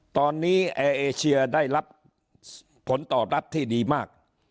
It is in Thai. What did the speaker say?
ตอนนี้แอร์เอเชียได้รับผลตอบรับที่ดีมาก